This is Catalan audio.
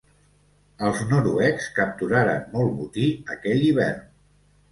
Els noruecs capturaren molt botí aquell hivern.